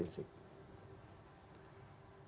ini masalah internal dalam negara